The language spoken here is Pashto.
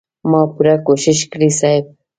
ما پوره کوشش کړی صيب.